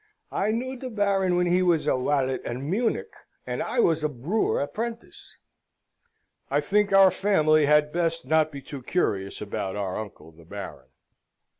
"I knew de Baron when he was a walet at Munich, and I was a brewer apprentice." I think our family had best not be too curious about our uncle the Baron.